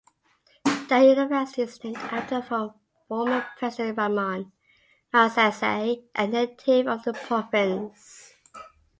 The university is named after former President Ramon Magsaysay, a native of the province.